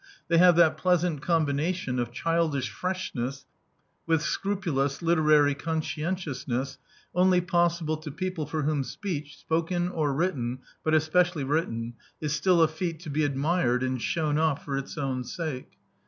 They have that pleas ant combination of childish freshness with scrupu lous literary conscientiousness only possible to people \ for whom speech, spoken or written, but especially written, is still a feat to be admired and shewn off for its own sake.